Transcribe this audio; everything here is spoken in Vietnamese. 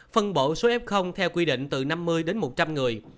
phân bộ số f theo quy định từ năm mươi đến một trăm linh người